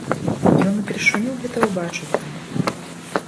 Ён упершыню гэта ўбачыў там.